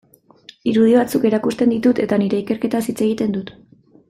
Irudi batzuk erakusten ditut eta nire ikerketaz hitz egiten dut.